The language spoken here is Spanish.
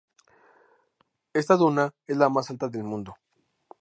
Esta duna es la más alta del mundo.